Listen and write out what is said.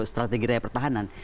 strategi raya pertahanan